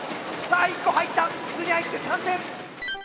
さあ１個入った筒に入って３点。